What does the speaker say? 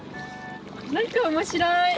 何か面白い。